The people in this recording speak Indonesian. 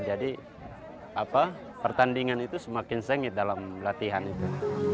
jadi apa pertandingan itu semakin sengit dalam latihan itu